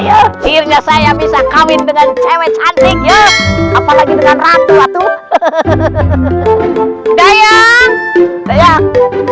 akhirnya saya bisa kawin dengan cewek cantik apalagi dengan ratu ratu dayang